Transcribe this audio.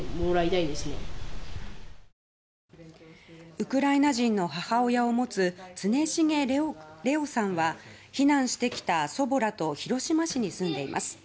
ウクライナ人の母親を持つ常重玲雄さんは避難してきた祖母らと広島市に住んでいます。